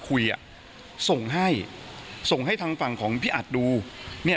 คุยอ่ะส่งให้ส่งให้ทางฝั่งของพี่อัดดูเนี่ย